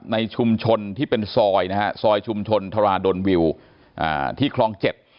ในชุมชนที่เป็นซอยนะฮะซอยชุมชนทราดลวิวอ่าที่คลองเจ็ด